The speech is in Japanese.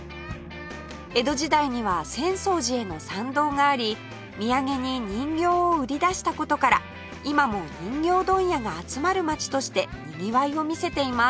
江戸時代には浅草寺への参道があり土産に人形を売り出した事から今も人形問屋が集まる街としてにぎわいを見せています